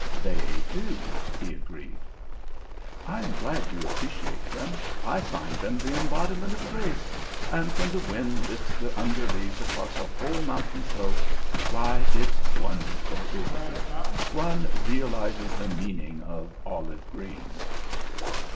"They do," he agreed. "I'm glad you appreciate them. I find them the embodiment of grace. And when the wind lifts the under leaves across a whole mountain slope why, it's wonderful, isn't it? One realises the meaning of 'olive green'."